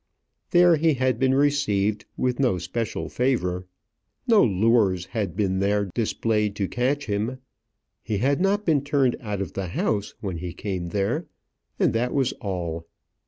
There he had been received with no special favour. No lures had been there displayed to catch him. He had not been turned out of the house when he came there, and that was all.